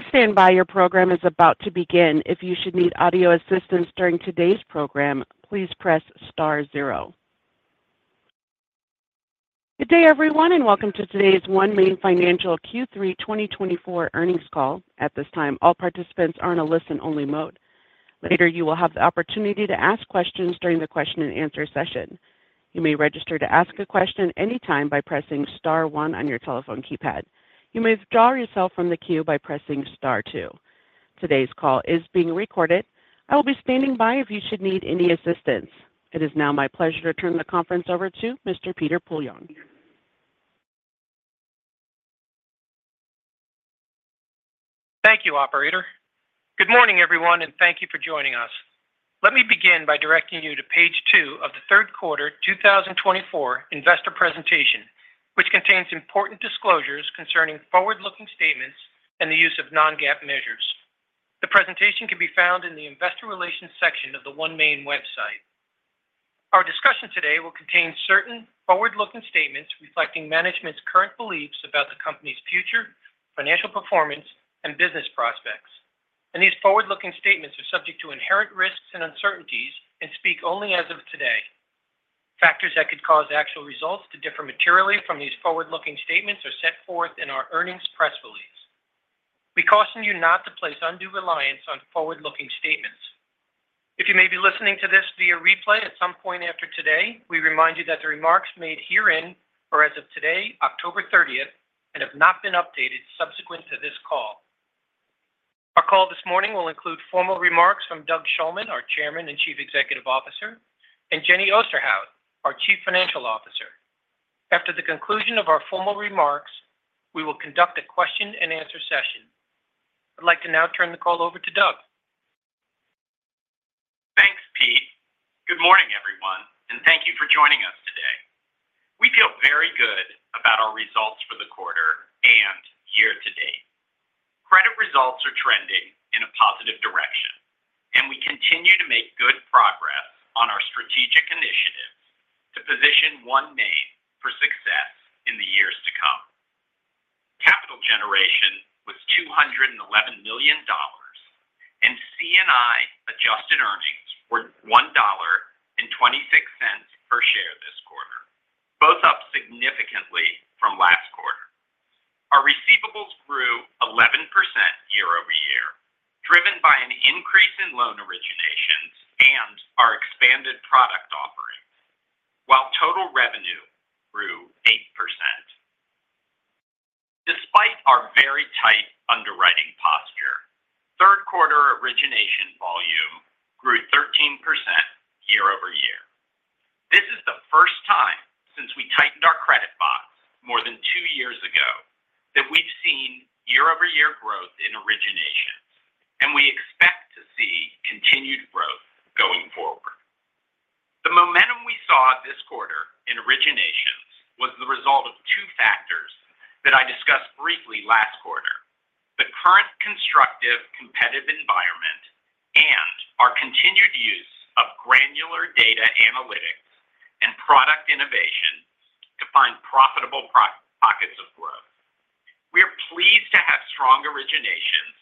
Please stand by. Your program is about to begin. If you should need audio assistance during today's program, please press star zero. Good day, everyone, and welcome to today's OneMain Financial Q3 2024 Earnings Call. At this time, all participants are in a listen-only mode. Later, you will have the opportunity to ask questions during the question-and-answer session. You may register to ask a question anytime by pressing star one on your telephone keypad. You may withdraw yourself from the queue by pressing star two. Today's call is being recorded. I will be standing by if you should need any assistance. It is now my pleasure to turn the conference over to Mr. Peter Poillon. Thank you, Operator. Good morning, everyone, and thank you for joining us. Let me begin by directing you to page two of the third quarter 2024 investor presentation, which contains important disclosures concerning forward-looking statements and the use of non-GAAP measures. The presentation can be found in the investor relations section of the OneMain website. Our discussion today will contain certain forward-looking statements reflecting management's current beliefs about the company's future, financial performance, and business prospects, and these forward-looking statements are subject to inherent risks and uncertainties and speak only as of today. Factors that could cause actual results to differ materially from these forward-looking statements are set forth in our earnings press release. We caution you not to place undue reliance on forward-looking statements. If you may be listening to this via replay at some point after today, we remind you that the remarks made herein are as of today, October 30th, and have not been updated subsequent to this call. Our call this morning will include formal remarks from Doug Shulman, our Chairman and Chief Executive Officer, and Jenny Osterhout, our Chief Financial Officer. After the conclusion of our formal remarks, we will conduct a question-and-answer session. I'd like to now turn the call over to Doug. Thanks, Pete. Good morning, everyone, and thank you for joining us today. We feel very good about our results for the quarter and year to date. Credit results are trending in a positive direction, and we continue to make good progress on our strategic initiatives to position OneMain for success in the years to come. Capital generation was $211 million, and C&I adjusted earnings were $1.26 per share this quarter, both up significantly from last quarter. Our receivables grew 11% year-over-year, driven by an increase in loan originations and our expanded product offering, while total revenue grew 8%. Despite our very tight underwriting posture, third quarter origination volume grew 13% year-over-year. This is the first time since we tightened our credit box more than two years ago that we've seen year-over-year growth in originations, and we expect to see continued growth going forward. The momentum we saw this quarter in originations was the result of two factors that I discussed briefly last quarter: the current constructive competitive environment and our continued use of granular data analytics and product innovation to find profitable pockets of growth. We are pleased to have strong originations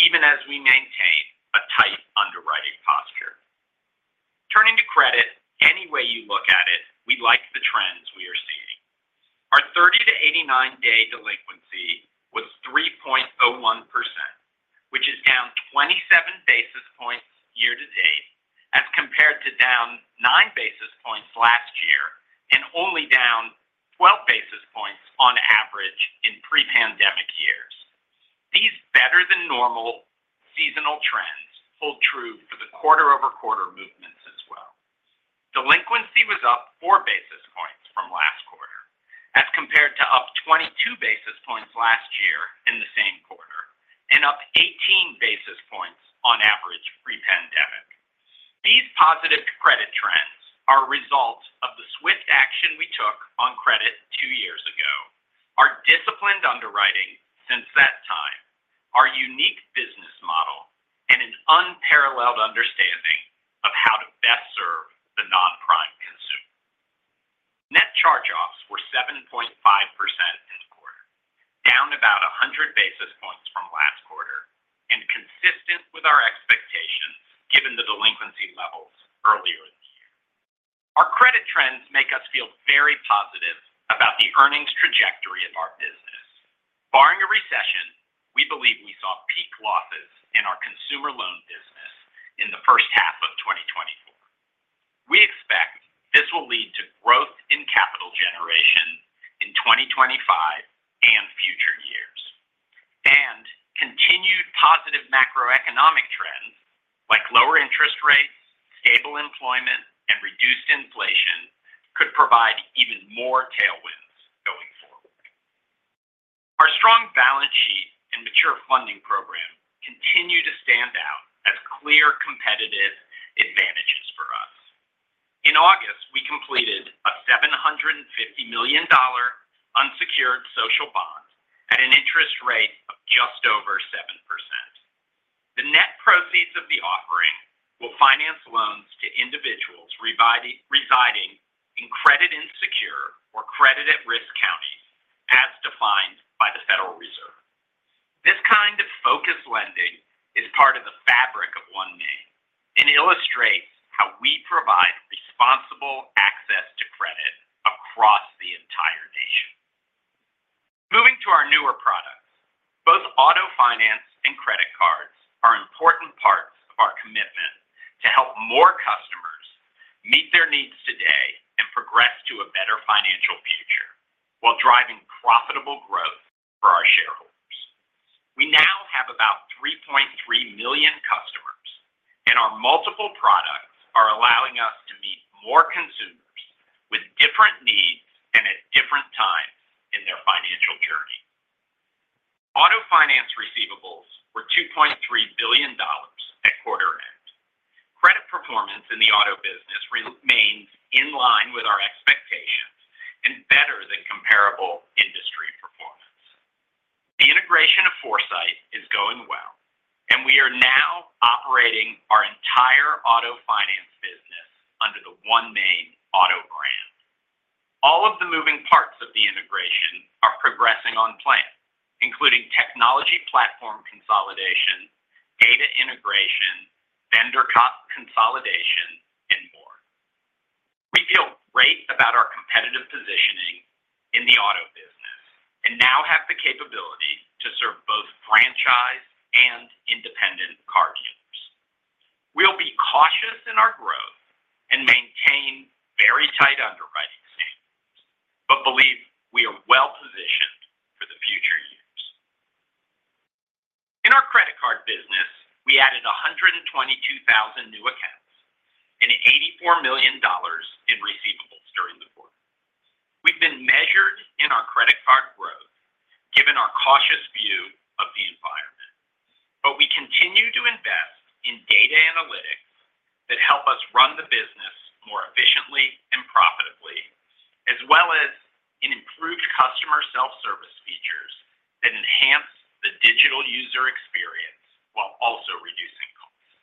even as we maintain a tight underwriting posture. Turning to credit, any way you look at it, we like the trends we are seeing. Our 30 to 89-day delinquency was 3.01%, which is down 27 basis points year to date as compared to down nine basis points last year and only down 12 basis points on average in pre-pandemic years. These better-than-normal seasonal trends hold true for the quarter-over-quarter movements as well. Delinquency was up four basis points from last quarter as compared to up 22 basis points last year in the same quarter and up 18 basis points on average pre-pandemic. These positive credit trends are a result of the swift action we took on credit two years ago, our disciplined underwriting since that time, our unique business model, and an unparalleled understanding of how to best serve the non-prime consumer. Net charge-offs were 7.5% in the quarter, down about 100 basis points from last quarter and consistent with our expectations given the delinquency levels earlier in the year. Our credit trends make us feel very positive about the earnings trajectory of our business. Barring a recession, we believe we saw peak losses in our consumer loan business in the first half of 2024. We expect this will lead to growth in capital generation in 2025 and future years. And continued positive macroeconomic trends like lower interest rates, stable employment, and reduced inflation could provide even more tailwinds going forward. Our strong balance sheet and mature funding program continue to stand out as clear competitive advantages for us. In August, we completed a $750 million unsecured social bond at an interest rate of just over 7%. The net proceeds of the offering will finance loans to individuals residing in credit-insecure or credit-at-risk counties as defined by the Federal Reserve. This kind of focused lending is part of the fabric of OneMain and illustrates how we provide responsible access to credit across the entire nation. Moving to our newer products, both auto finance and credit cards are important parts of our commitment to help more customers meet their needs today and progress to a better financial future while driving profitable growth for our shareholders. We now have about 3.3 million customers, and our multiple products are allowing us to meet more consumers with different needs and at different times in their financial journey. Auto finance receivables were $2.3 billion at quarter end. Credit performance in the auto business remains in line with our expectations and better than comparable industry performance. The integration of Foursight is going well, and we are now operating our entire auto finance business under the OneMain Auto brand. All of the moving parts of the integration are progressing on plan, including technology platform consolidation, data integration, vendor consolidation, and more. We feel great about our competitive positioning in the auto business and now have the capability to serve both franchise and independent car dealers. We'll be cautious in our growth and maintain very tight underwriting standards, but believe we are well positioned for the future years. In our credit card business, we added 122,000 new accounts and $84 million in receivables during the quarter. We've been measured in our credit card growth given our cautious view of the environment, but we continue to invest in data analytics that help us run the business more efficiently and profitably, as well as in improved customer self-service features that enhance the digital user experience while also reducing costs.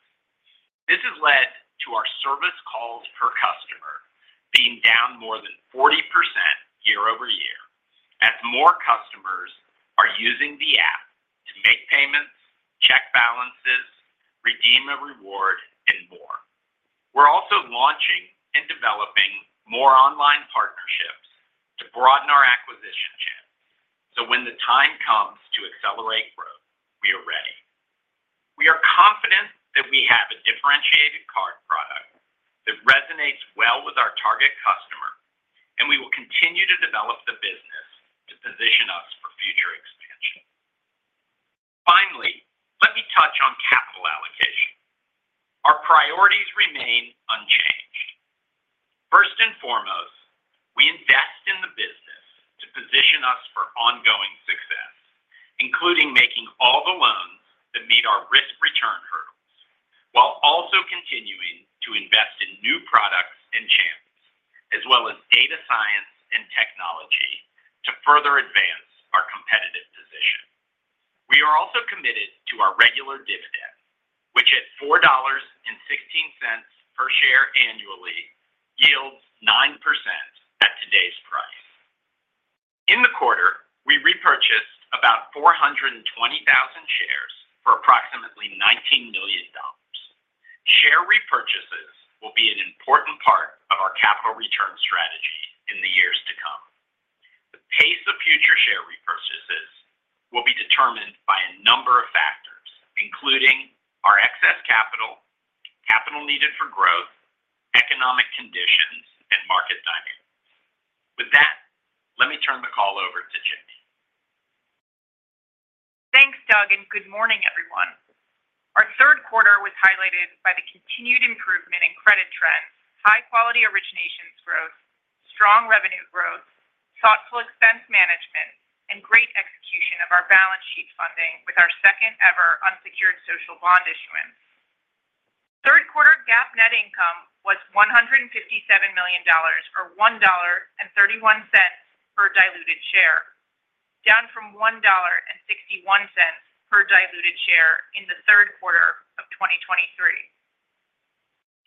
This has led to our service calls per customer being down more than 40% year-over-year as more customers are using the app to make payments, check balances, redeem a reward, and more. We're also launching and developing more online partnerships to broaden our acquisition channels so when the time comes to accelerate growth, we are ready. We are confident that we have a differentiated card product that resonates well with our target customer, and we will continue to develop the business to position us for future expansion. Finally, let me touch on capital allocation. Our priorities remain unchanged. First and foremost, we invest in the business to position us for ongoing success, including making all the loans that meet our risk-return hurdles while also continuing to invest in new products and channels, as well as data science and technology to further advance our competitive position. We are also committed to our regular dividend, which at $4.16 per share annually yields 9% at today's price. In the quarter, we repurchased about 420,000 shares for approximately $19 million. Share repurchases will be an important part of our capital return strategy in the years to come. The pace of future share repurchases will be determined by a number of factors, including our excess capital, capital needed for growth, economic conditions, and market dynamics. With that, let me turn the call over to Jenny. Thanks, Doug, and good morning, everyone. Our third quarter was highlighted by the continued improvement in credit trends, high-quality originations growth, strong revenue growth, thoughtful expense management, and great execution of our balance sheet funding with our second-ever unsecured social bond issuance. Third quarter GAAP net income was $157 million, or $1.31 per diluted share, down from $1.61 per diluted share in the third quarter of 2023.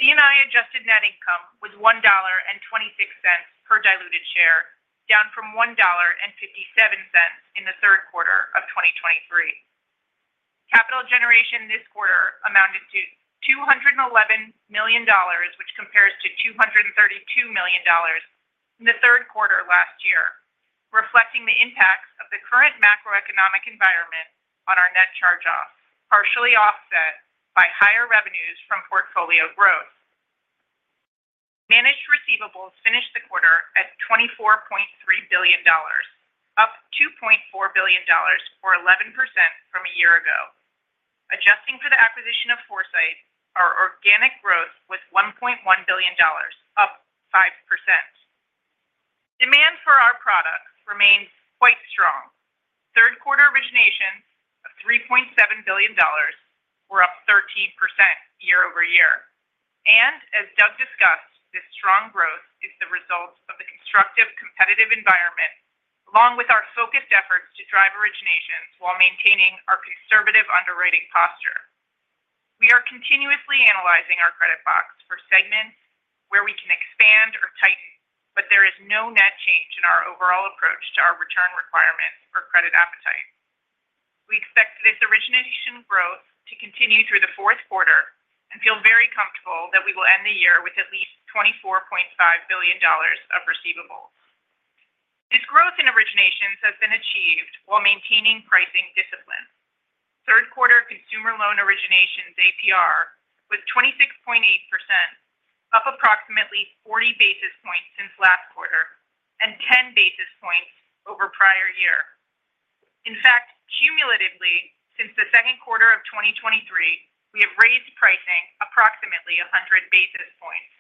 C&I adjusted net income was $1.26 per diluted share, down from $1.57 in the third quarter of 2023. Capital generation this quarter amounted to $211 million, which compares to $232 million in the third quarter last year, reflecting the impacts of the current macroeconomic environment on our net charge-offs, partially offset by higher revenues from portfolio growth. Managed receivables finished the quarter at $24.3 billion, up $2.4 billion, or 11% from a year ago. Adjusting for the acquisition of Foursight, our organic growth was $1.1 billion, up 5%. Demand for our products remains quite strong. Third quarter originations of $3.7 billion were up 13% year-over-year, and as Doug discussed, this strong growth is the result of the constructive competitive environment, along with our focused efforts to drive originations while maintaining our conservative underwriting posture. We are continuously analyzing our credit box for segments where we can expand or tighten, but there is no net change in our overall approach to our return requirements for credit appetite. We expect this origination growth to continue through the fourth quarter and feel very comfortable that we will end the year with at least $24.5 billion of receivables. This growth in originations has been achieved while maintaining pricing discipline. Third quarter consumer loan originations APR was 26.8%, up approximately 40 basis points since last quarter and 10 basis points over prior year. In fact, cumulatively, since the second quarter of 2023, we have raised pricing approximately 100 basis points.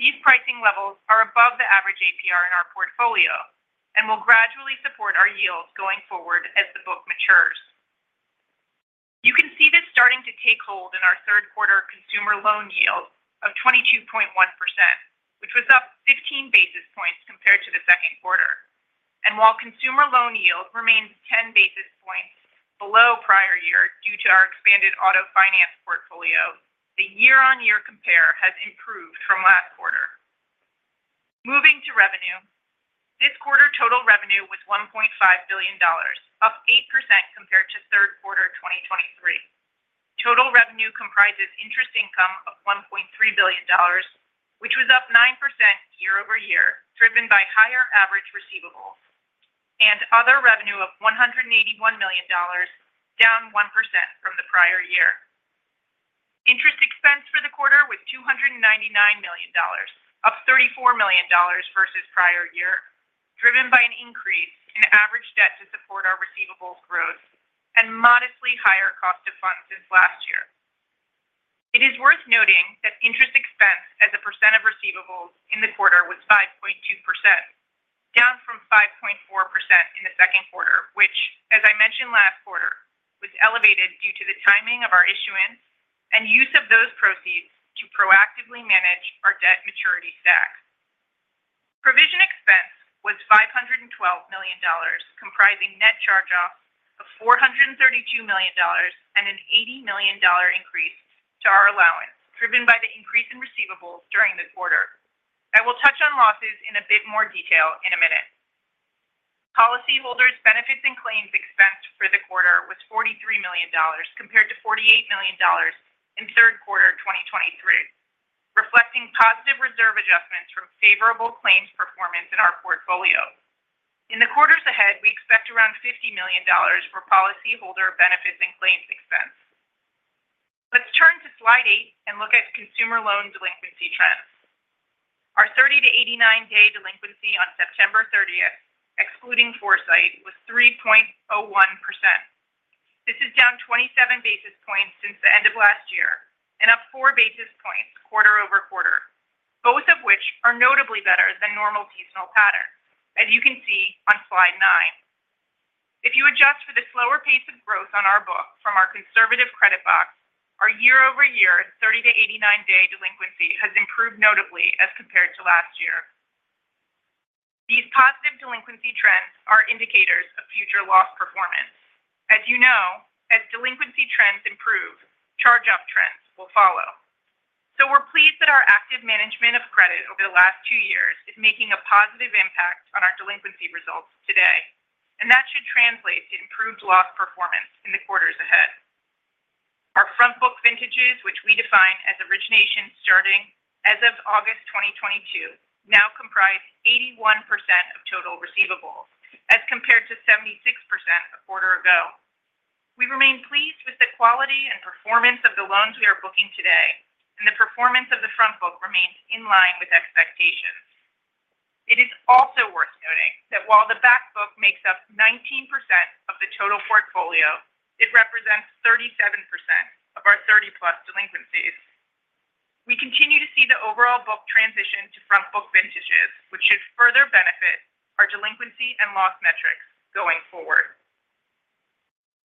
These pricing levels are above the average APR in our portfolio and will gradually support our yields going forward as the book matures. You can see this starting to take hold in our third quarter consumer loan yield of 22.1%, which was up 15 basis points compared to the second quarter, and while consumer loan yield remains 10 basis points below prior year due to our expanded auto finance portfolio, the year-on-year compare has improved from last quarter. Moving to revenue, this quarter total revenue was $1.5 billion, up 8% compared to third quarter 2023. Total revenue comprises interest income of $1.3 billion, which was up 9% year-over-year, driven by higher average receivables and other revenue of $181 million, down 1% from the prior year. Interest expense for the quarter was $299 million, up $34 million versus prior year, driven by an increase in average debt to support our receivables growth and modestly higher cost of funds since last year. It is worth noting that interest expense as a percent of receivables in the quarter was 5.2%, down from 5.4% in the second quarter, which, as I mentioned last quarter, was elevated due to the timing of our issuance and use of those proceeds to proactively manage our debt maturity stack. Provision expense was $512 million, comprising net charge-offs of $432 million and an $80 million increase to our allowance, driven by the increase in receivables during the quarter. I will touch on losses in a bit more detail in a minute. Policyholders' benefits and claims expense for the quarter was $43 million compared to $48 million in third quarter 2023, reflecting positive reserve adjustments from favorable claims performance in our portfolio. In the quarters ahead, we expect around $50 million for policyholder benefits and claims expense. Let's turn to slide 8 and look at consumer loan delinquency trends. Our 30 to 89-day delinquency on September 30, excluding Foursight, was 3.01%. This is down 27 basis points since the end of last year and up 4 basis points quarter over quarter, both of which are notably better than normal seasonal patterns, as you can see on slide 9. If you adjust for the slower pace of growth on our book from our conservative credit box, our year-over-year 30 to 89-day delinquency has improved notably as compared to last year. These positive delinquency trends are indicators of future loss performance. As you know, as delinquency trends improve, charge-off trends will follow. So we're pleased that our active management of credit over the last two years is making a positive impact on our delinquency results today, and that should translate to improved loss performance in the quarters ahead. Our front book vintages, which we define as originations starting as of August 2022, now comprise 81% of total receivables as compared to 76% a quarter ago. We remain pleased with the quality and performance of the loans we are booking today, and the performance of the front book remains in line with expectations. It is also worth noting that while the back book makes up 19% of the total portfolio, it represents 37% of our 30-plus delinquencies. We continue to see the overall book transition to front book vintages, which should further benefit our delinquency and loss metrics going forward.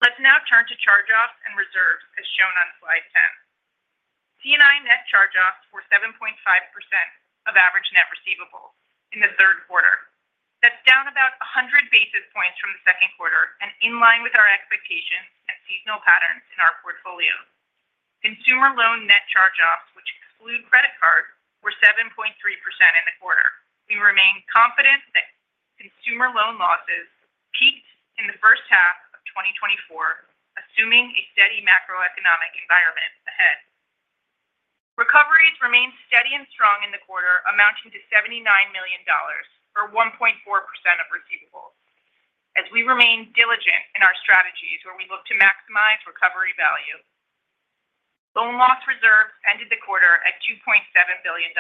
Let's now turn to charge-offs and reserves as shown on slide 10. C&I net charge-offs were 7.5% of average net receivables in the third quarter. That's down about 100 basis points from the second quarter and in line with our expectations and seasonal patterns in our portfolio. Consumer loan net charge-offs, which exclude credit cards, were 7.3% in the quarter. We remain confident that consumer loan losses peaked in the first half of 2024, assuming a steady macroeconomic environment ahead. Recoveries remained steady and strong in the quarter, amounting to $79 million, or 1.4% of receivables. As we remain diligent in our strategies where we look to maximize recovery value, loan loss reserves ended the quarter at $2.7 billion.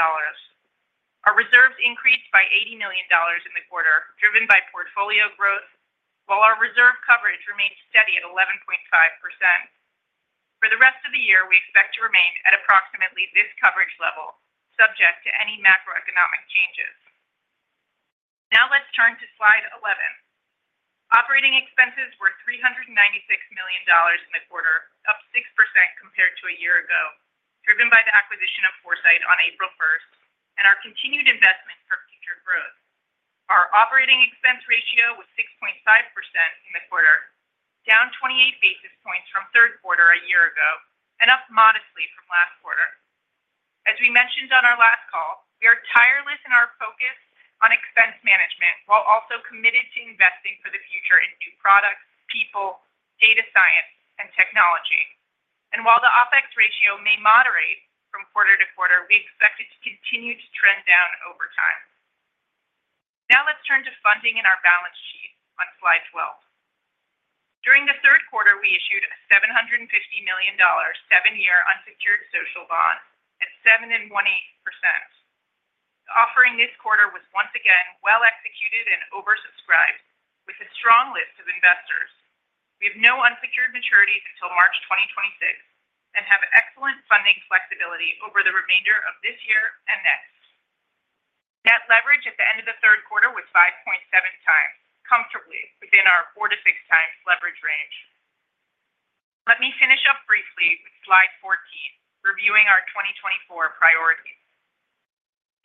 Our reserves increased by $80 million in the quarter, driven by portfolio growth, while our reserve coverage remained steady at 11.5%. For the rest of the year, we expect to remain at approximately this coverage level, subject to any macroeconomic changes. Now let's turn to slide 11. Operating expenses were $396 million in the quarter, up 6% compared to a year ago, driven by the acquisition of Foursight on April 1 and our continued investment for future growth. Our operating expense ratio was 6.5% in the quarter, down 28 basis points from third quarter a year ago and up modestly from last quarter. As we mentioned on our last call, we are tireless in our focus on expense management while also committed to investing for the future in new products, people, data science, and technology. And while the OpEx ratio may moderate from quarter to quarter, we expect it to continue to trend down over time. Now let's turn to funding in our balance sheet on slide 12. During the third quarter, we issued a $750 million seven-year unsecured social bond at 7.18%. Offering this quarter was once again well executed and oversubscribed with a strong list of investors. We have no unsecured maturities until March 2026 and have excellent funding flexibility over the remainder of this year and next. Net leverage at the end of the third quarter was 5.7x, comfortably within our four to six times leverage range. Let me finish up briefly with slide 14, reviewing our 2024 priorities.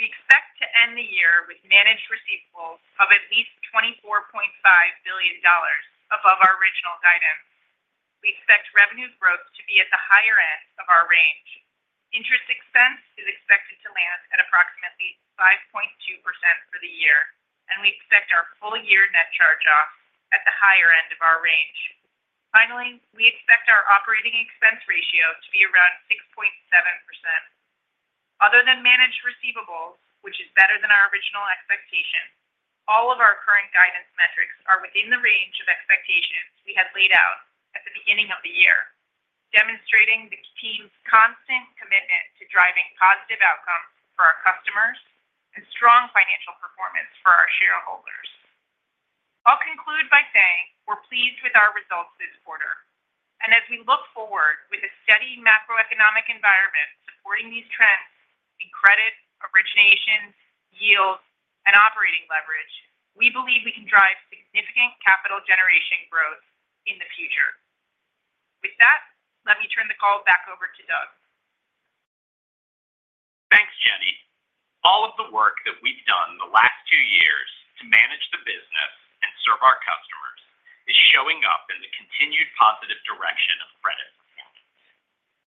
We expect to end the year with managed receivables of at least $24.5 billion above our original guidance. We expect revenue growth to be at the higher end of our range. Interest expense is expected to land at approximately 5.2% for the year, and we expect our full-year net charge-off at the higher end of our range. Finally, we expect our operating expense ratio to be around 6.7%. Other than managed receivables, which is better than our original expectation, all of our current guidance metrics are within the range of expectations we had laid out at the beginning of the year, demonstrating the team's constant commitment to driving positive outcomes for our customers and strong financial performance for our shareholders. I'll conclude by saying we're pleased with our results this quarter, and as we look forward with a steady macroeconomic environment supporting these trends in credit, originations, yields, and operating leverage, we believe we can drive significant capital generation growth in the future. With that, let me turn the call back over to Doug. Thanks, Jenny. All of the work that we've done the last two years to manage the business and serve our customers is showing up in the continued positive direction of credit performance.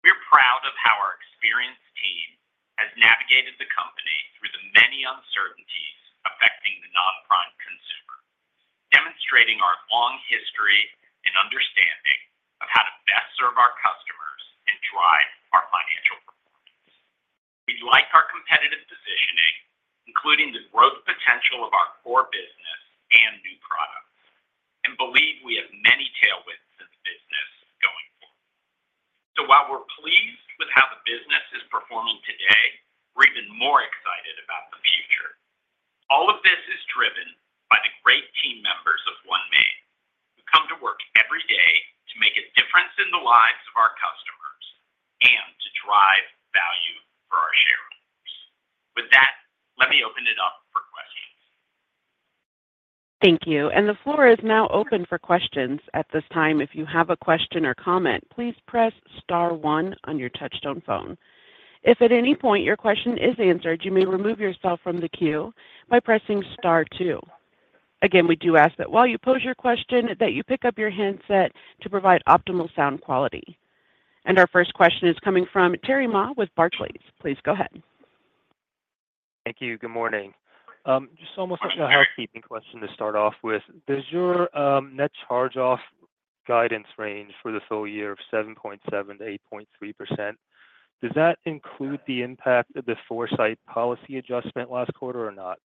We're proud of how our experienced team has navigated the company through the many uncertainties affecting the non-prime consumer, demonstrating our long history and understanding of how to best serve our customers and drive our financial performance. We like our competitive positioning, including the growth potential of our core business and new products, and believe we have many tailwinds in the business going forward. So while we're pleased with how the business is performing today, we're even more excited about the future. All of this is driven by the great team members of OneMain, who come to work every day to make a difference in the lives of our customers and to drive value for our shareholders. With that, let me open it up for questions. Thank you. And the floor is now open for questions at this time. If you have a question or comment, please press star one on your touch-tone phone. If at any point your question is answered, you may remove yourself from the queue by pressing star two. Again, we do ask that while you pose your question, that you pick up your handset to provide optimal sound quality. And our first question is coming from Terry Ma with Barclays. Please go ahead. Thank you. Good morning. Just almost a housekeeping question to start off with. Does your net charge-off guidance range for the full year of 7.7%-8.3%, does that include the impact of the Foursight policy adjustment last quarter or not?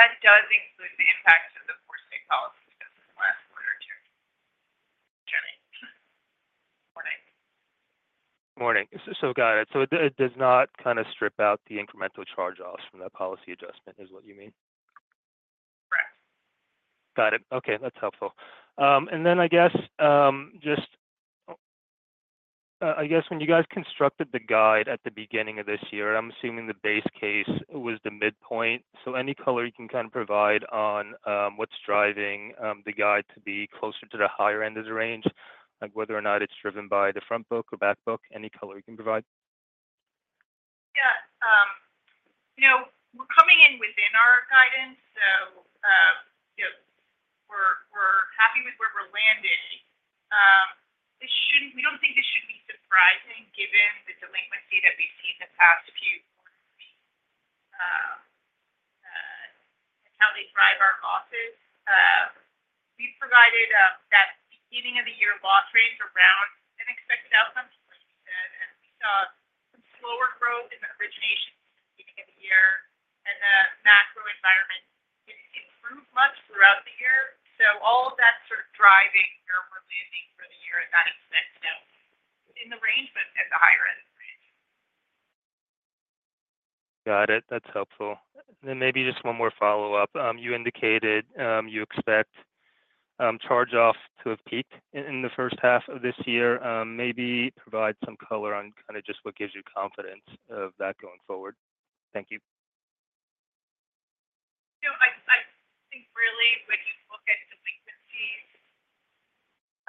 That does include the impact of the Foursight policy adjustment last quarter too. Jenny. Good morning. Morning. So got it. So it does not kind of strip out the incremental charge-offs from that policy adjustment, is what you mean? Correct. Got it. Okay. That's helpful. And then I guess just I guess when you guys constructed the guide at the beginning of this year, I'm assuming the base case was the midpoint. So any color you can kind of provide on what's driving the guide to be closer to the higher end of the range, like whether or not it's driven by the front book or back book, any color you can provide? Yeah. We're coming in within our guidance, so we're happy with where we're landing. We don't think this should be surprising given the delinquency that we've seen the past few quarters and how they drive our losses. We provided that beginning-of-the-year loss range around an expected outcome, like you said, and we saw some slower growth in the originations at the beginning of the year. And the macro environment didn't improve much throughout the year. So all of that's sort of driving where we're landing for the year in that expense now. Within the range, but at the higher end of the range. Got it. That's helpful. And then maybe just one more follow-up. You indicated you expect charge-offs to have peaked in the first half of this year. Maybe provide some color on kind of just what gives you confidence of that going forward. Thank you. I think really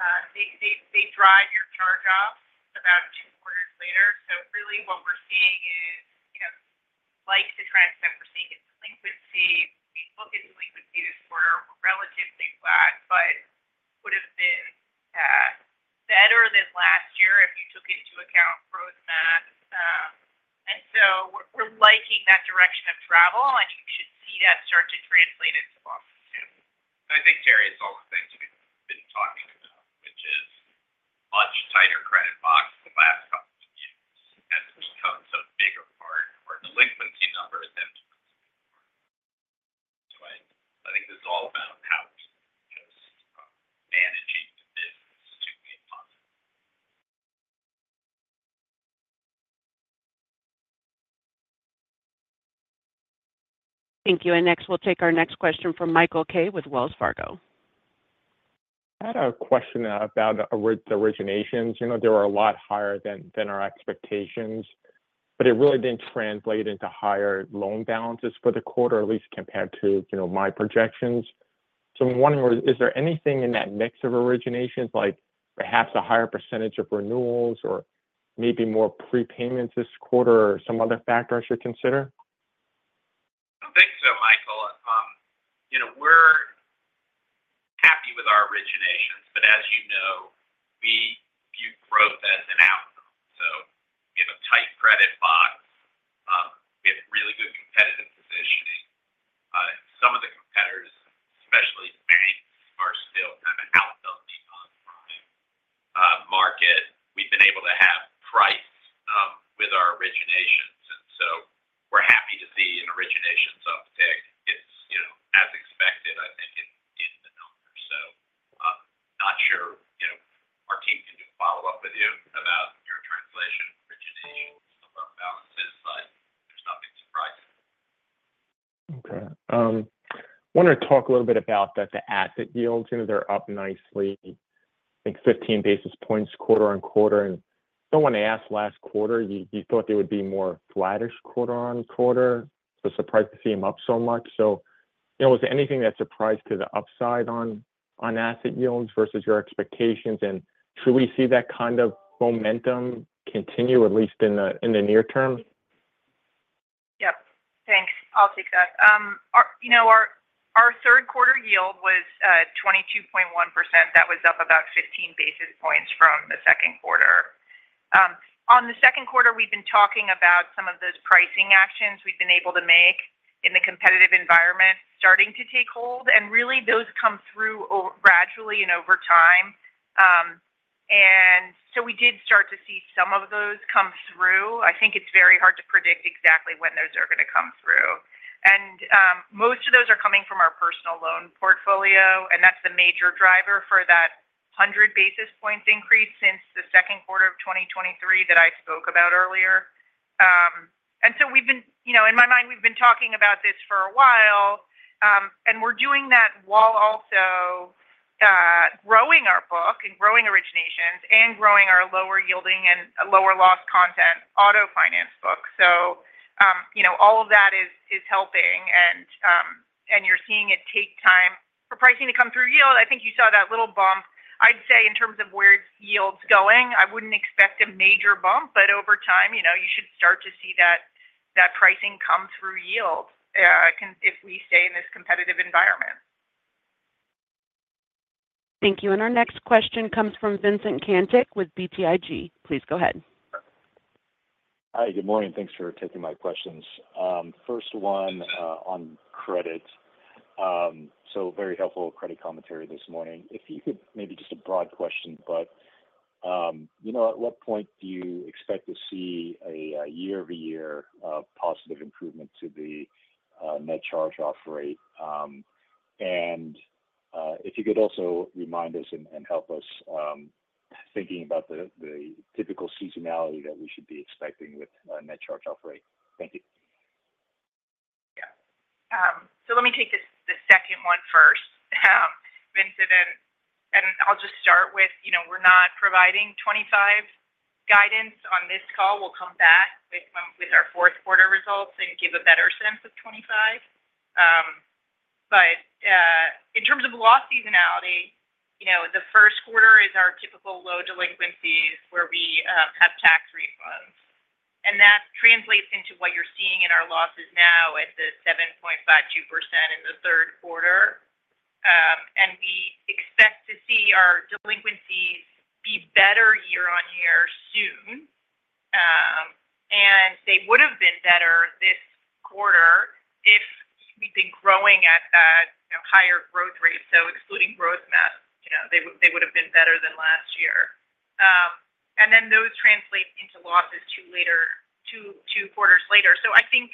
when you look at delinquencies, they drive your charge-offs about two quarters later. So really what we're seeing is like the trends that we're seeing in delinquency. We look at delinquency this quarter, we're relatively flat, but would have been better than last year if you took into account growth math. And so we're liking that direction of travel, and you should see that start to translate into losses too. I think, Terry, is all the things we've been talking about, which is a much tighter credit box in the last couple of years has become such a bigger part of our delinquency number than delinquency before. So I think this is all about how we're just managing the business to be positive. Thank you. Next, we'll take our next question from Michael Kaye with Wells Fargo. I had a question about the originations. They were a lot higher than our expectations, but it really didn't translate into higher loan balances for the quarter, at least compared to my projections. So I'm wondering, is there anything in that mix of originations, like perhaps a higher percentage of renewals or maybe more prepayments this quarter or some other factor I should consider? I think so, Michael. We're happy with our originations, but as you know, we view growth as an outcome. So we have a tight credit box. We have really good competitive positioning. Some of the competitors, especially [Maine], are still kind of outbuilding on the prime market. We've been able to have price with our originations, and so we're happy to see an originations uptick. It's as expected, I think, in the numbers. So I'm not sure our team can do a follow-up with you about your translation of originations and loan balances, but there's nothing surprising. Okay. I want to talk a little bit about the asset yields. They're up nicely, I think, 15 basis points quarter on quarter. And someone asked last quarter, you thought they would be more flattish quarter on quarter. So surprised to see them up so much. So was there anything that surprised to the upside on asset yields versus your expectations? And should we see that kind of momentum continue, at least in the near term? Yep. Thanks. I'll take that. Our third quarter yield was 22.1%. That was up about 15 basis points from the second quarter. On the second quarter, we've been talking about some of those pricing actions we've been able to make in the competitive environment starting to take hold, and really, those come through gradually and over time, and so we did start to see some of those come through. I think it's very hard to predict exactly when those are going to come through, and most of those are coming from our personal loan portfolio, and that's the major driver for that 100 basis points increase since the second quarter of 2023 that I spoke about earlier. And so we've been, in my mind, we've been talking about this for a while, and we're doing that while also growing our book and growing originations and growing our lower yielding and lower loss content auto finance book. So all of that is helping, and you're seeing it take time for pricing to come through yield. I think you saw that little bump. I'd say in terms of where yield's going, I wouldn't expect a major bump, but over time, you should start to see that pricing come through yield if we stay in this competitive environment. Thank you. And our next question comes from Vincent Caintic with BTIG. Please go ahead. Hi. Good morning. Thanks for taking my questions. First one on credit. So very helpful credit commentary this morning. If you could maybe just a broad question, but at what point do you expect to see a year-over-year positive improvement to the net charge-off rate? And if you could also remind us and help us thinking about the typical seasonality that we should be expecting with a net charge-off rate. Thank you. Yeah. So let me take the second one first, Vincent, and I'll just start with we're not providing 2025 guidance on this call. We'll come back with our fourth quarter results and give a better sense of 2025. But in terms of loss seasonality, the first quarter is our typical low delinquencies where we have tax refunds. And that translates into what you're seeing in our losses now at the 7.52% in the third quarter. And we expect to see our delinquencies be better year on year soon. And they would have been better this quarter if we'd been growing at a higher growth rate. So excluding growth math, they would have been better than last year. And then those translate into losses two quarters later. So I think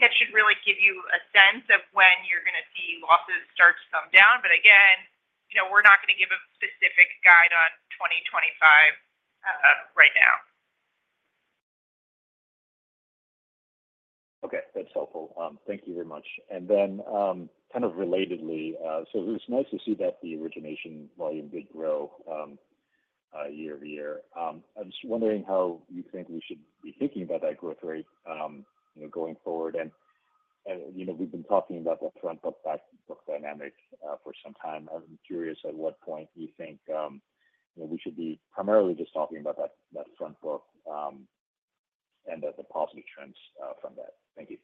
that should really give you a sense of when you're going to see losses start to come down. But again, we're not going to give a specific guide on 2025 right now. Okay. That's helpful. Thank you very much. And then kind of relatedly, so it was nice to see that the origination volume did grow year-over-year. I'm just wondering how you think we should be thinking about that growth rate going forward. And we've been talking about the front book-back book dynamic for some time. I'm curious at what point you think we should be primarily just talking about that front book and the positive trends from that. Thank you.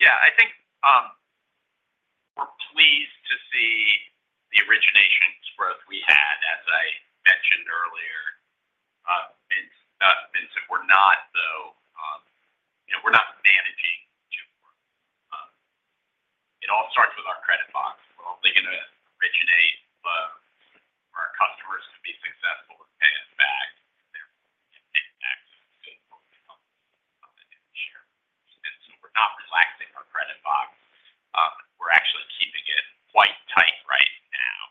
Yeah. I think we're pleased to see the originations growth we had, as I mentioned earlier. Vincent, we're not, though. We're managing it well. It all starts with our credit box. We're only going to originate loans for our customers to be successful with paying us back and getting access to the shareholders. And so we're not relaxing our credit box. We're actually keeping it quite tight right now.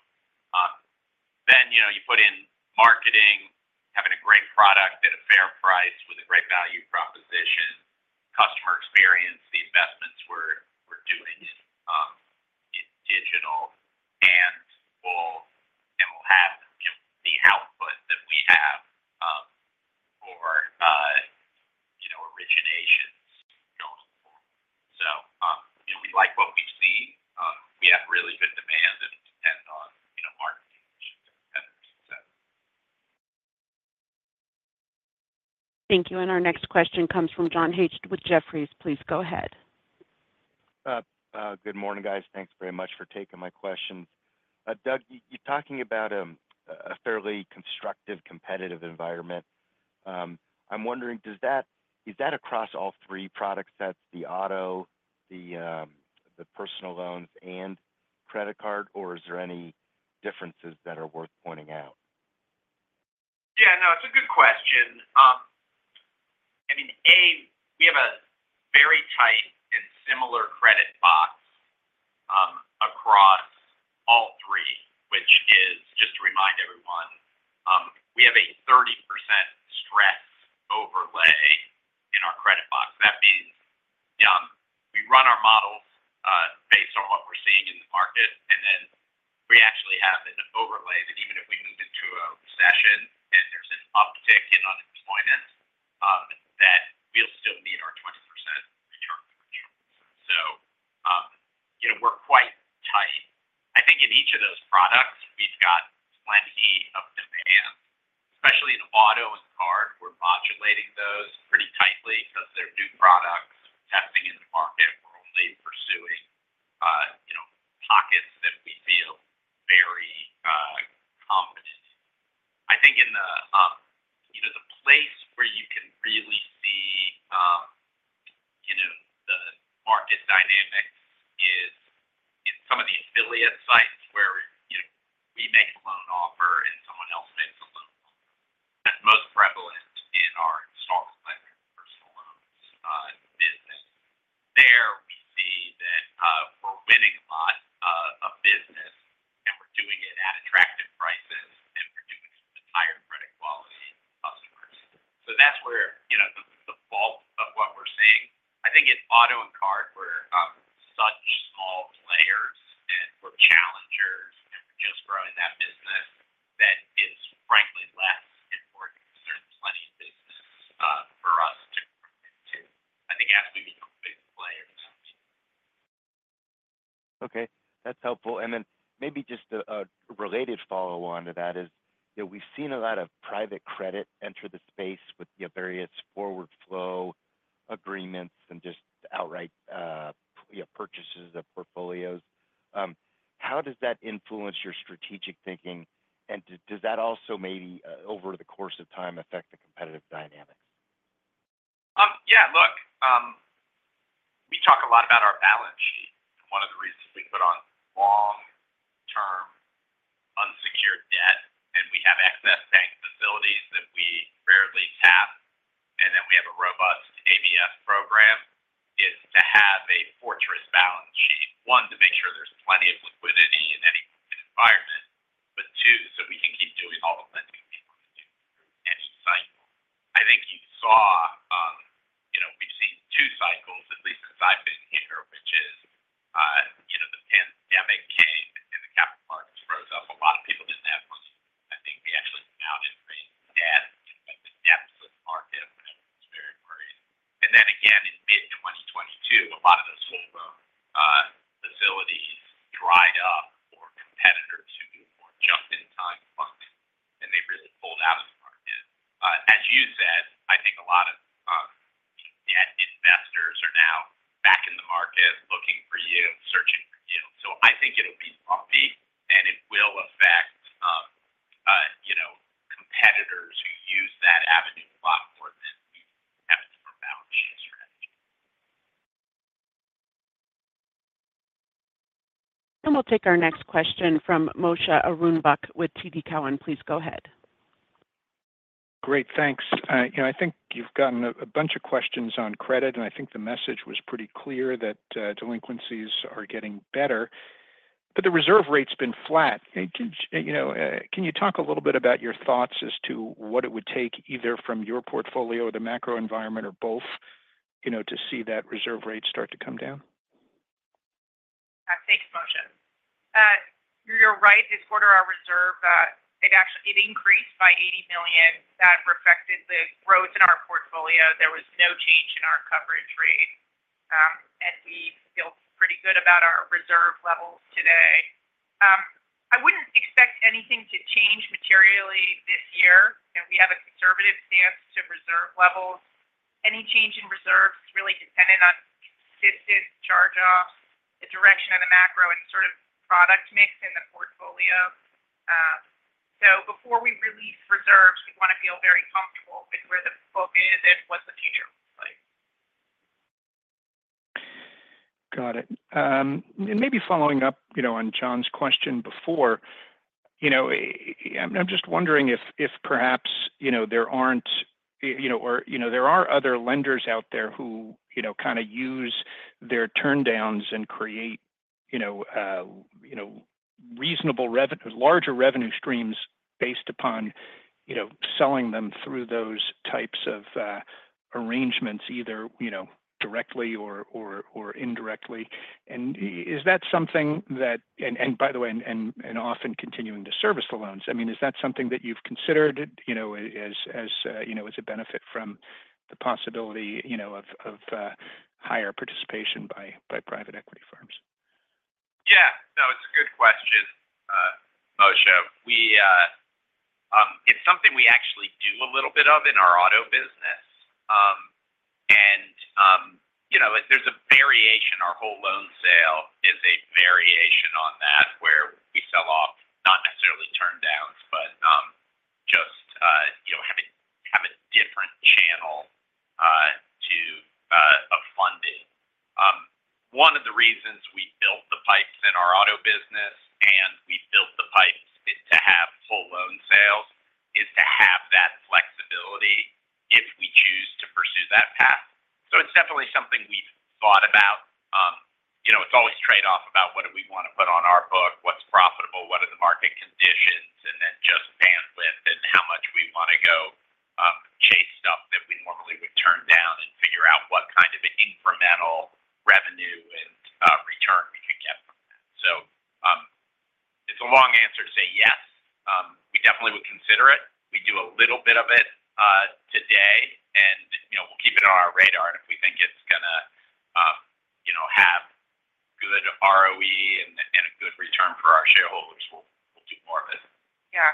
Then you put in marketing, having a great product at a fair price with a great value proposition, customer experience, the investments we're doing in digital, and we'll have the output that we have for originations going forward. So we like what we see. We have really good demand and depend on marketing and competitors, etc. Thank you. And our next question comes from John Hecht with Jefferies. Please go ahead. Good morning, guys. Thanks very much for taking my questions. Doug, you're talking about a fairly constructive competitive environment. I'm wondering, is that across all three product sets, the auto, the personal loans, and credit card, or is there any differences that are worth pointing out? Yeah. No, it's a good question. I mean, A, we have a very tight and similar credit box across all three, which is just to remind everyone, we have a 30% stress overlay in our credit box. That means we run our models based on what we're seeing in the market, and then we actually have an overlay that even if we move into a recession and there's an uptick in unemployment, that we'll still meet our 20% return on returns. So we're quite tight. I think in each of those products, we've got plenty of demand, especially in auto and card. We're modulating those pretty tightly because they're new products and testing in the market. We're only pursuing pockets that we feel very confident in. I think the place where you can really see the market dynamic is in some of the affiliate sites where we make a loan offer and someone else makes a loan offer. That's most prevalent You're right. This quarter our reserve increased by $80 million. That reflected the growth in our portfolio. There was no change in our coverage rate, and we feel pretty good about our reserve levels today. I wouldn't expect anything to change materially this year, and we have a conservative stance on reserve levels. Any change in reserves is really dependent on consistent charge-offs, the direction of the macro, and sort of product mix in the portfolio. So before we release reserves, we want to feel very comfortable with where the book is and what the future looks like. Got it. And maybe following up on John's question before, I'm just wondering if perhaps there aren't or there are other lenders out there who kind of use their turndowns and create reasonable larger revenue streams based upon selling them through those types of arrangements, either directly or indirectly. And is that something that, and by the way, and often continuing to service the loans, I mean, is that something that you've considered as a benefit from the possibility of higher participation by private equity firms? Yeah. No, it's a good question, Moshe. It's something we actually do a little bit of in our auto business. And there's a variation. Our whole loan sale is a variation on that where we sell off, not necessarily turndowns, but just have a different channel to fund it. One of the reasons we built the pipes in our auto business and we built the pipes to have whole loan sales is to have that flexibility if we choose to pursue that path. So it's definitely something we've thought about. It's always trade-off about what do we want to put on our book, what's profitable, what are the market conditions, and then just bandwidth and how much we want to go chase stuff that we normally would turn down and figure out what kind of incremental revenue and return we can get from that. So it's a long answer to say yes. We definitely would consider it. We do a little bit of it today, and we'll keep it on our radar. And if we think it's going to have good ROE and a good return for our shareholders, we'll do more of it. Yeah.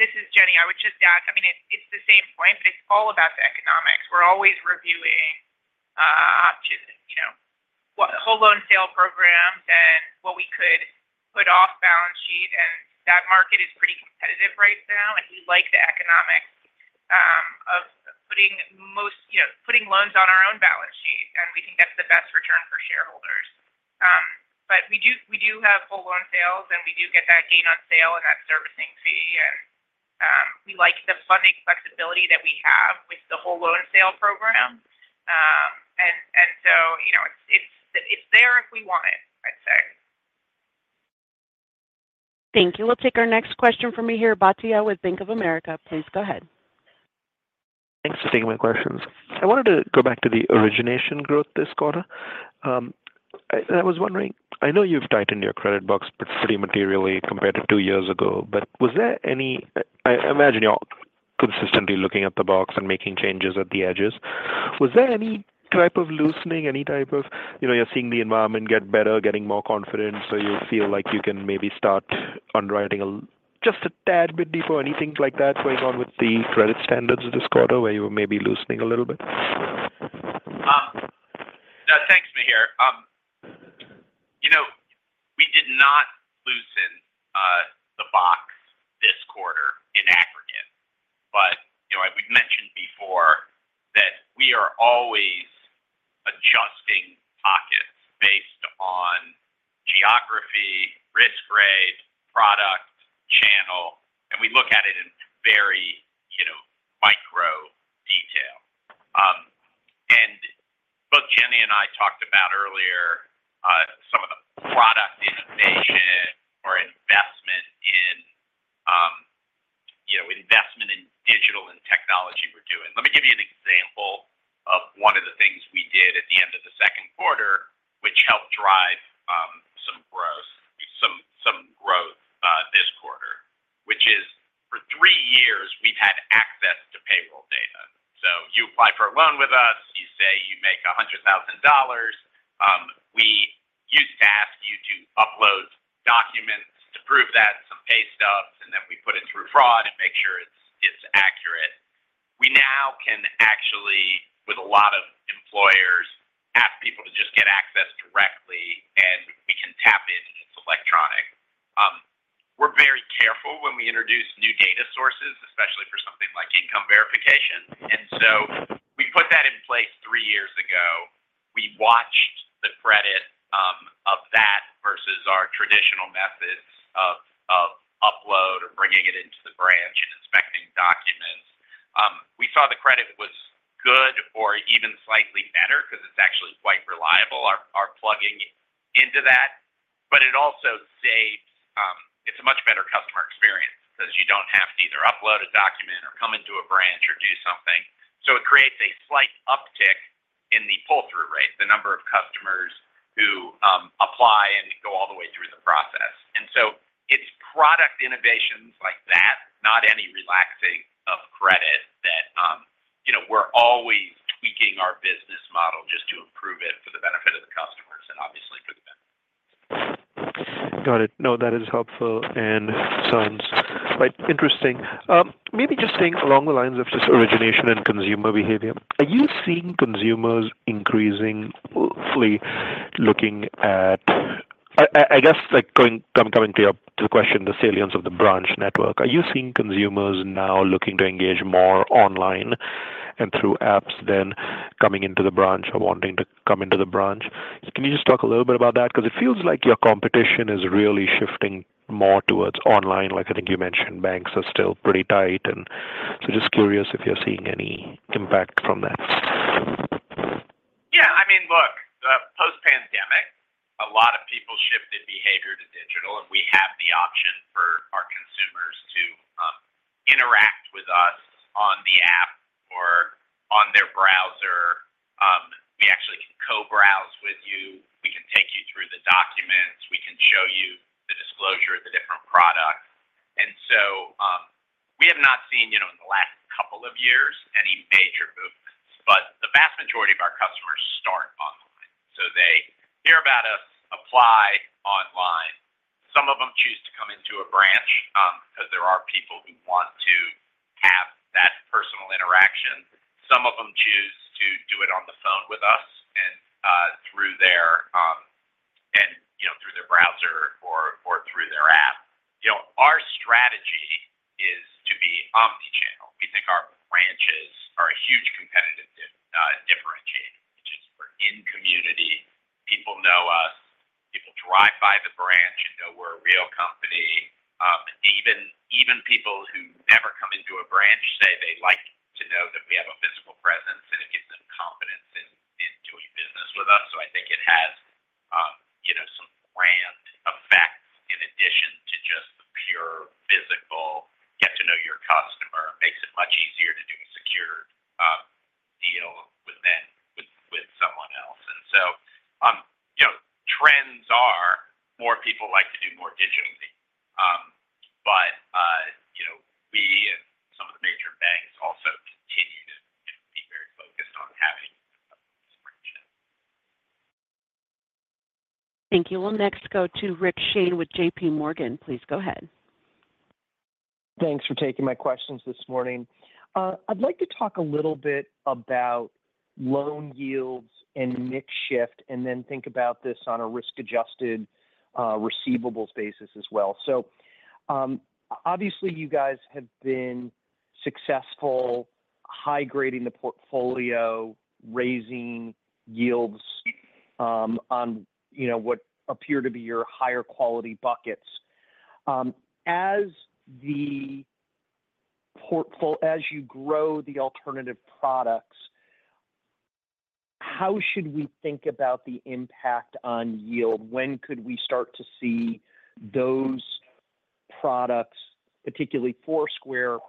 This is Jenny. I would just add, I mean, it's the same point, but it's all about the economics. We're always reviewing whole loan sale programs and what we could put off balance sheet. And that market is pretty competitive right now, and we like the economics of putting loans on our own balance sheet, and we think that's the best return for shareholders. But we do have whole loan sales, and we do get that gain on sale and that servicing fee. And we like the funding flexibility that we have with the whole loan sale program. And so it's there if we want it, I'd say. Thank you. We'll take our next question from Mihir Bhatia with Bank of America. Please go ahead. Thanks for taking my questions. I wanted to go back to the origination growth this quarter. I was wondering, I know you've tightened your credit box pretty materially compared to two years ago, but was there any, I imagine you're consistently looking at the box and making changes at the edges. Was there any type of loosening, any type of, you're seeing the environment get better, getting more confident, so you feel like you can maybe start underwriting just a tad bit deeper? Anything like that going on with the credit standards this quarter where you were maybe loosening a little bit? No, thanks, Mihir. We did not loosen the box this quarter in aggregate, but we've mentioned before that we are always adjusting pockets based on geography, risk rate, product, channel, and we look at it in very micro detail, and both Jenny and I talked about earlier some of the product innovation or investment in digital and technology we're doing. Let me give you an example of one of the things we did at the end of the second quarter, which helped drive some growth this quarter, which is for three years, we've had access to payroll data. So you apply for a loan with us, you say you make $100,000. We used to ask you to upload documents to prove that, some pay stubs, and then we put it through fraud and make sure it's accurate. We now can actually, with a lot of employers, ask people to just get access directly, and we can tap in. It's electronic. We're very careful when we introduce new data sources, especially for something like income verification. And so we put that in place three years ago. We watched the credit of that versus our traditional methods of upload or bringing it into the branch and inspecting documents. We saw the credit was good or even slightly better because it's actually quite reliable. We're plugging into that, but it also saves, it's a much better customer experience because you don't have to either upload a document or come into a branch or do something. So it creates a slight uptick in the pull-through rate, the number of customers who apply and go all the way through the process. And so it's product innovations like that, not any relaxing of credit, that we're always tweaking our business model just to improve it for the benefit of the customers and obviously for the benefit of. Got it. No, that is helpful and sounds quite interesting. Maybe just staying along the lines of just origination and consumer behavior, are you seeing consumers increasingly looking at, I guess coming to your question, the salience of the branch network, are you seeing consumers now looking to engage more online and through apps than coming into the branch or wanting to come into the branch? Can you just talk a little bit about that? Because it feels like your competition is really shifting more towards online. I think you mentioned banks are still pretty tight, and so just curious if you're seeing any impact from that. Yeah. I mean, look, post-pandemic, a lot of people shifted behavior to digital, and we have the option for our consumers to interact with us on the app or on their browser. We actually can co-browse with you. We can take you through the documents. We can show you the disclosure of the different products. And so we have not seen in the last couple of years any major movements, but the vast majority of our customers start online. So they hear about us, apply online. Some of them choose to come into a branch because there are people who want to have that personal interaction. Some of them choose to do it on the phone with us and through their browser or through their app. Our strategy is to be omnichannel. We think our branches are a huge competitive differentiator, which is, we're in community. People know us. People drive by the branch and know we're a real company. Even people who never come into a branch say they like to know that we have a physical presence, and it gives them confidence in doing business with us. So I think it has some brand effects in addition to just the pure physical get-to-know-your-customer. It makes it much easier to do a secure deal with someone else. And so trends are more people like to do more digitally. But we and some of the major banks also continue to be very focused on having a branch network. Thank you. We'll next go to Rick Shane with JPMorgan. Please go ahead. Thanks for taking my questions this morning. I'd like to talk a little bit about loan yields and mix shift, and then think about this on a risk-adjusted receivables basis as well. So obviously, you guys have been successful high-grading the portfolio, raising yields on what appear to be your higher quality buckets. As you grow the alternative products, how should we think about the impact on yield? When could we start to see those products, particularly Foursight,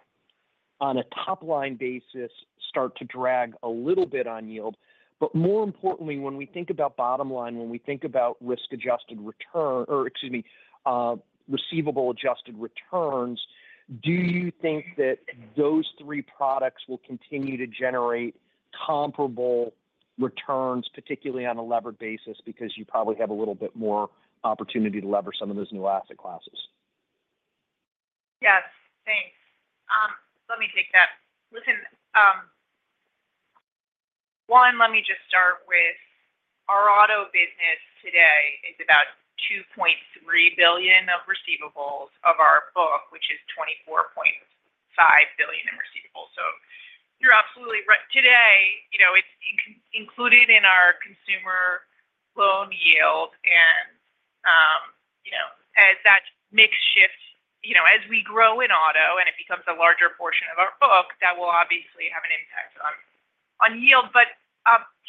on a top-line basis start to drag a little bit on yield? But more importantly, when we think about bottom line, when we think about risk-adjusted return or, excuse me, receivable-adjusted returns, do you think that those three products will continue to generate comparable returns, particularly on a levered basis because you probably have a little bit more opportunity to lever some of those new asset classes? Yes. Thanks. Let me take that. Listen, one, let me just start with our auto business today is about $2.3 billion of receivables of our book, which is $24.5 billion in receivables. So you're absolutely right. Today, it's included in our consumer loan yield. And as that mix shifts, as we grow in auto and it becomes a larger portion of our book, that will obviously have an impact on yield. But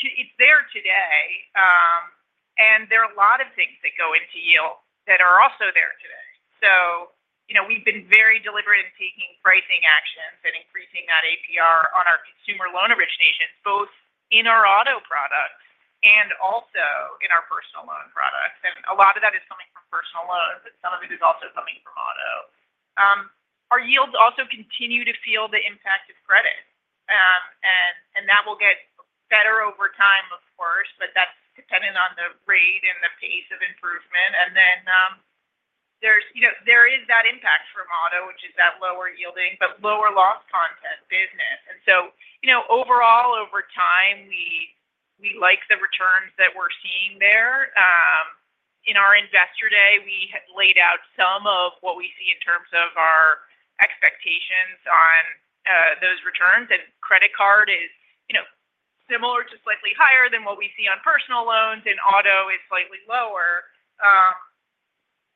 it's there today, and there are a lot of things that go into yield that are also there today. So we've been very deliberate in taking pricing actions and increasing that APR on our consumer loan originations, both in our auto products and also in our personal loan products. And a lot of that is coming from personal loans, and some of it is also coming from auto. Our yields also continue to feel the impact of credit, and that will get better over time, of course, but that's dependent on the rate and the pace of improvement. And then there is that impact from auto, which is that lower yielding but lower loss content business. And so overall, over time, we like the returns that we're seeing there. In our investor day, we laid out some of what we see in terms of our expectations on those returns. And credit card is similar to slightly higher than what we see on personal loans, and auto is slightly lower.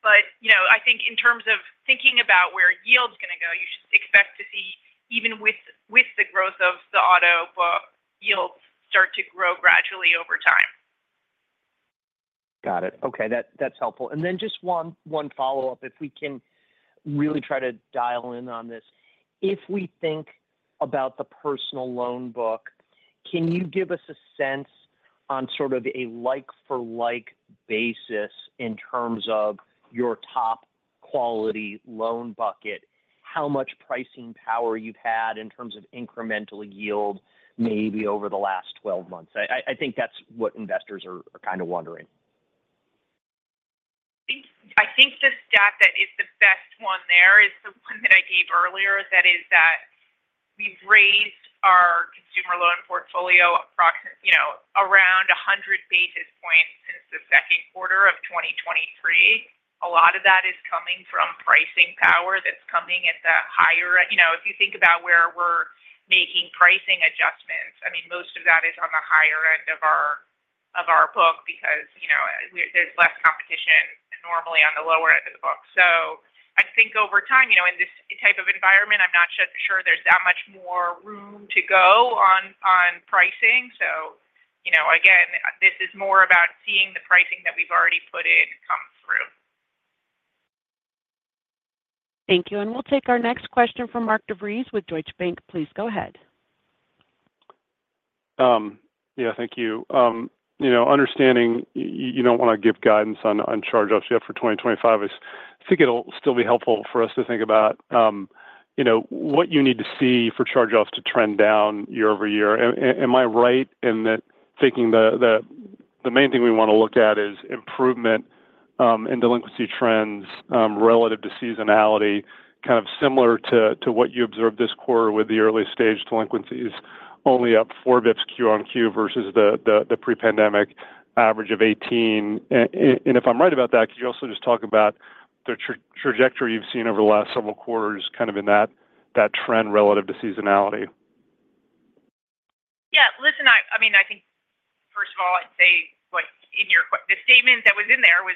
But I think in terms of thinking about where yield's going to go, you should expect to see, even with the growth of the auto book, yields start to grow gradually over time. Got it. Okay. That's helpful. And then just one follow-up, if we can really try to dial in on this. If we think about the personal loan book, can you give us a sense on sort of a like-for-like basis in terms of your top quality loan bucket, how much pricing power you've had in terms of incremental yield maybe over the last 12 months? I think that's what investors are kind of wondering. I think the stat that is the best one there is the one that I gave earlier, that is that we've raised our consumer loan portfolio around 100 basis points since the second quarter of 2023. A lot of that is coming from pricing power that's coming at the higher end. If you think about where we're making pricing adjustments, I mean, most of that is on the higher end of our book because there's less competition normally on the lower end of the book. So I think over time, in this type of environment, I'm not sure there's that much more room to go on pricing. So again, this is more about seeing the pricing that we've already put in come through. Thank you. And we'll take our next question from Mark DeVries with Deutsche Bank. Please go ahead. Yeah. Thank you. Understanding you don't want to give guidance on charge-offs yet for 2025, I think it'll still be helpful for us to think about what you need to see for charge-offs to trend down year-over-year. Am I right in that thinking the main thing we want to look at is improvement in delinquency trends relative to seasonality, kind of similar to what you observed this quarter with the early-stage delinquencies, only up four basis points Q-on-Q versus the pre-pandemic average of 18? And if I'm right about that, could you also just talk about the trajectory you've seen over the last several quarters kind of in that trend relative to seasonality? Yeah. Listen, I mean, I think, first of all, I'd say the statement that was in there was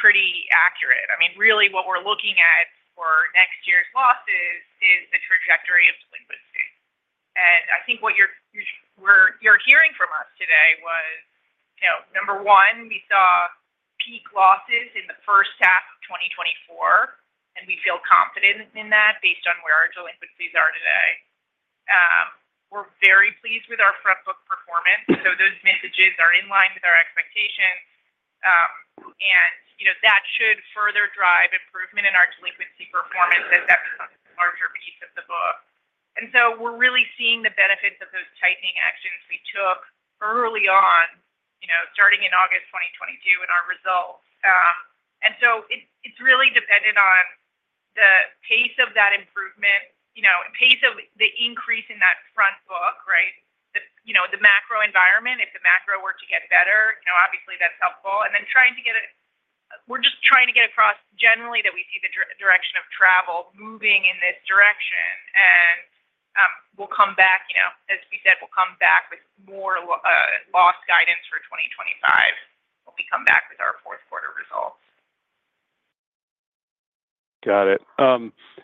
pretty accurate. I mean, really, what we're looking at for next year's losses is the trajectory of delinquency, and I think what you're hearing from us today was, number one, we saw peak losses in the first half of 2024, and we feel confident in that based on where our delinquencies are today. We're very pleased with our front book performance, so those messages are in line with our expectations, and that should further drive improvement in our delinquency performance as that becomes a larger piece of the book, and so we're really seeing the benefits of those tightening actions we took early on, starting in August 2022, in our results, and so it's really dependent on the pace of that improvement, the pace of the increase in that front book, right? The macro environment, if the macro were to get better, obviously, that's helpful. And then trying to get it, we're just trying to get across generally that we see the direction of travel moving in this direction. And we'll come back, as we said, we'll come back with more loss guidance for 2025 when we come back with our fourth-quarter results. Got it.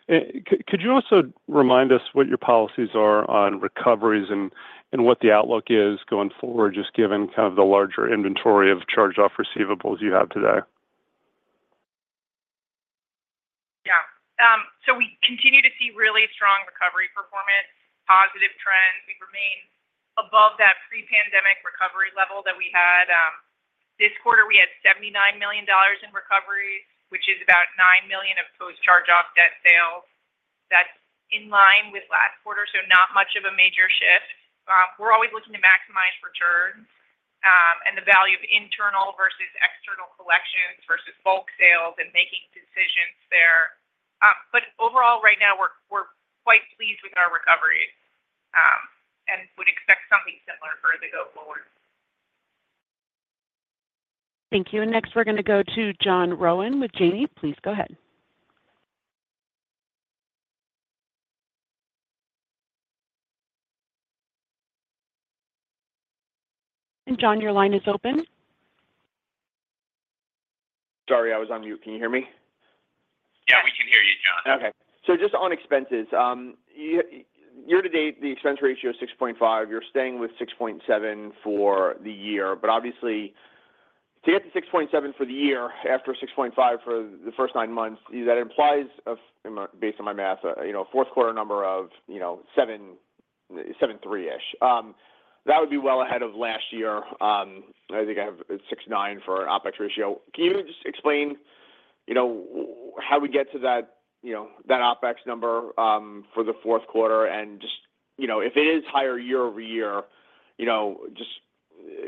Could you also remind us what your policies are on recoveries and what the outlook is going forward, just given kind of the larger inventory of charge-off receivables you have today? Yeah. So we continue to see really strong recovery performance, positive trends. We remain above that pre-pandemic recovery level that we had. This quarter, we had $79 million in recoveries, which is about $9 million of post-charge-off debt sales. That's in line with last quarter, so not much of a major shift. We're always looking to maximize returns and the value of internal versus external collections versus bulk sales and making decisions there. But overall, right now, we're quite pleased with our recoveries and would expect something similar further go forward. Thank you. And next, we're going to go to John Rowan with Janney. Please go ahead. And John, your line is open. Sorry, I was on mute. Can you hear me? Yeah, we can hear you, John. Okay. So just on expenses, year to date, the expense ratio is 6.5%. You're staying with 6.7% for the year. But obviously, to get to 6.7% for the year after 6.5% for the first nine months, that implies, based on my math, a fourth-quarter number of 7.3%-ish. That would be well ahead of last year. I think I have 6.9% for an OpEx ratio. Can you just explain how we get to that OpEx number for the fourth quarter? And just if it is higher year-over-year, just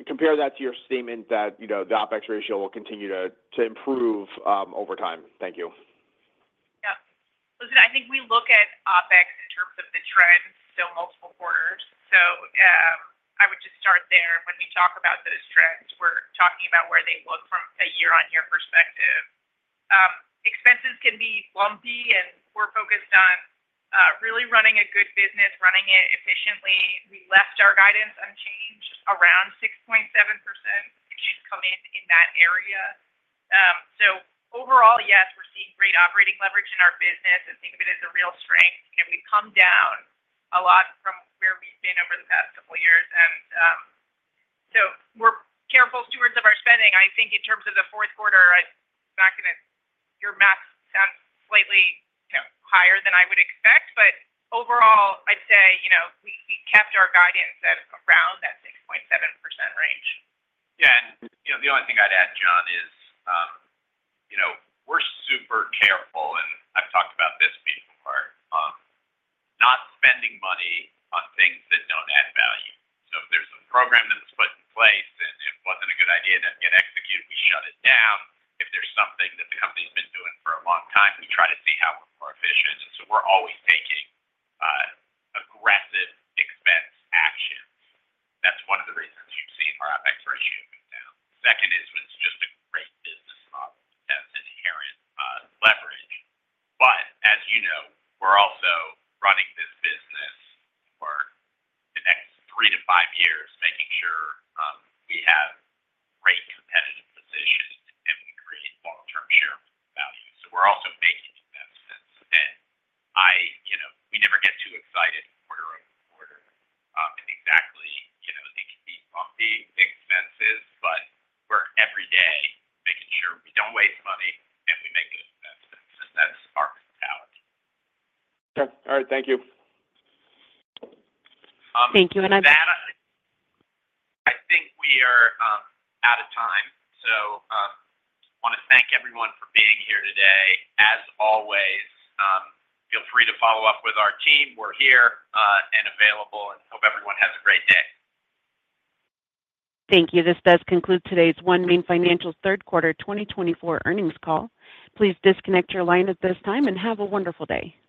compare that to your statement that the OpEx ratio will continue to improve over time. Thank you. Yeah. Listen, I think we look at OpEx in terms of the trends, so multiple quarters. So I would just start there. When we talk about those trends, we're talking about where they look from a year-on-year perspective. Expenses can be lumpy, and we're focused on really running a good business, running it efficiently. We left our guidance unchanged around 6.7%, which is coming in that area. So overall, yes, we're seeing great operating leverage in our business, and think of it as a real strength. We've come down a lot from where we've been over the past couple of years. And so we're careful stewards of our spending. I think in terms of the fourth quarter, your math sounds slightly higher than I would expect. But overall, I'd say we kept our guidance around that 6.7% range. Yeah. And the only thing I'd add, John, is we're super careful, and I've talked about this before, not spending money on things that don't add value. So if there's a program that was put in place and it wasn't a good idea to get executed, we shut it down. If there's something that the company's been doing for a long time, we try to see how we're more efficient. And so we're always taking aggressive expense actions. That's one of the reasons you've seen our OpEx ratio go down. Second is it's just a great business model that has inherent leverage. But as you know, we're also running this business for the next three to five years, making sure we have great competitive position and we create long-term shareholder value. So we're also making investments. And we never get too excited quarter over quarter. And exactly, it can be bumpy expenses, but we're every day making sure we don't waste money and we make good investments. And that's our mentality. Okay. All right. Thank you. Thank you. And I think. With that, I think we are out of time. So I want to thank everyone for being here today. As always, feel free to follow up with our team. We're here and available, and hope everyone has a great day. Thank you. This does conclude today's OneMain Financial's third quarter 2024 earnings call. Please disconnect your line at this time and have a wonderful day.